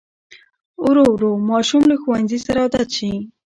ورو ورو ماشوم له ښوونځي سره عادت شي.